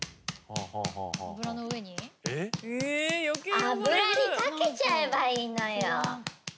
油に掛けちゃえばいいのよ。